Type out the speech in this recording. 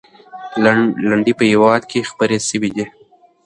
لنډۍ په هېواد کې خپرې سوي دي.